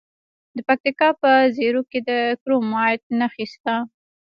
د پکتیکا په زیروک کې د کرومایټ نښې شته.